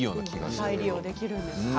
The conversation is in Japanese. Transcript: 再利用できるんですね。